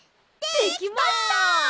できました！